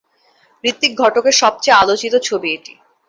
ঋত্বিক ঘটকের সবচেয়ে আলোচিত ছবি এটি।